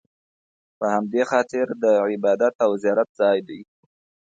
په همدې خاطر د عبادت او زیارت ځای دی.